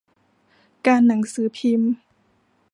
การหนังสือพิมพ์